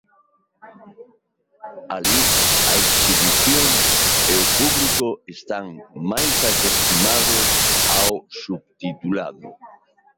Alí a exhibición e o público están máis acostumados ao subtitulado.